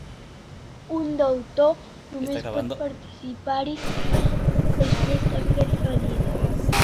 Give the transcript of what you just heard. Un deutor només pot participar-hi després de fer fallida.